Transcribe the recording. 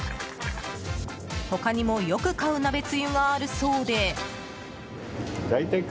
他にも、よく買う鍋つゆがあるそうで。